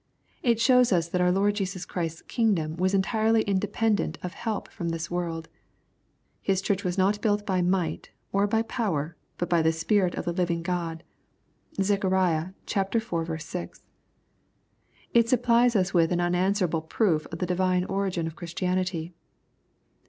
It shows us that our Lord Jesus Christ's kingdom was entirely independent of help from this world. His Church was not built by might, or by power, but by the Spirit of the living God. (Zech. iv. 6.) — ^It supplies us with an unanswerable proof of the divine origin of Christianity.